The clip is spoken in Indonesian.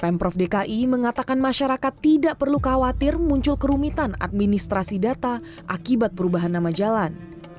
pemprov dki mengatakan masyarakat tidak perlu khawatir muncul kerumitan administrasi data akibat perubahan nama jalan